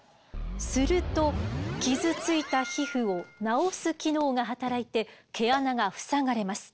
すると傷ついた皮膚を治す機能が働いて毛穴が塞がれます。